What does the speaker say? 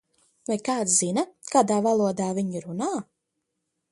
Vai kāds zina, kādā valodā viņi runā?